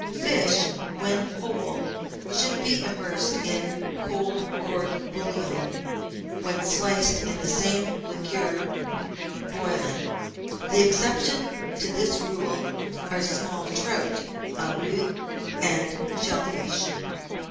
3. Fish, when whole, should be immersed in cold court bouillon; when sliced, in the same liquor, boiling. The ex ceptions to this rule are small trout " au bleu " and shell fish.